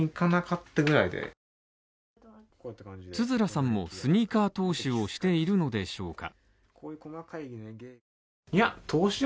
廿樂さんもスニーカー投資をしているのでしょうか